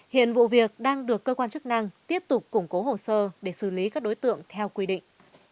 hiện vụ việc đang được cơ quan chức năng tiếp tục củng cố hồ sơ để xử lý các đối tượng theo quy định